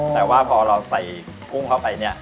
แต่ว่าพอเราใส่กุ้งเข้าไปเนี่ย